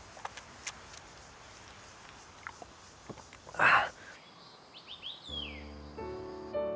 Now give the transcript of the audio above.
ああ。